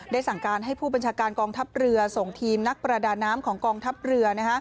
สั่งการให้ผู้บัญชาการกองทัพเรือส่งทีมนักประดาน้ำของกองทัพเรือ